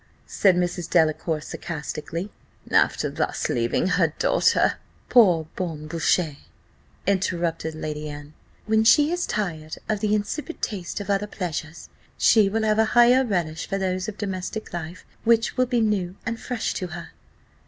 said Mrs. Delacour, sarcastically, "after thus leaving her daughter " "Pour bonne bouche," interrupted Lady Anne, "when she is tired of the insipid taste of other pleasures, she will have a higher relish for those of domestic life, which will be new and fresh to her."